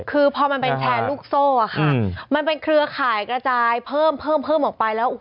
คือพอมันเป็นแชร์ลูกโซ่ค่ะมันเป็นเครือข่ายกระจายเพิ่มเพิ่มออกไปแล้ว